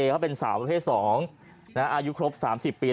เขาเป็นสาวประเภท๒อายุครบ๓๐ปี